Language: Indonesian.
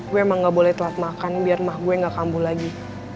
gue emang gak boleh telat makan biar mah gue gak kambuh lagi